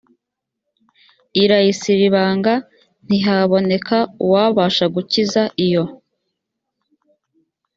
irayisiribanga ntihaboneka uwabasha gukiza iyo